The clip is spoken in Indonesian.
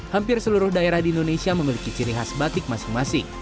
hampir seluruh daerah di indonesia memiliki ciri khas batik masing masing